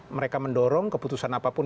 mereka mendorong keputusan apapun